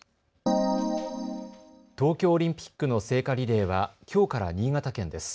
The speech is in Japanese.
東京オリンピックの聖火リレーはきょうから新潟県です。